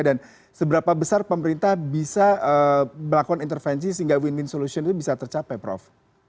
dan seberapa besar pemerintah bisa melakukan intervensi sehingga win win solution itu bisa tercapai prof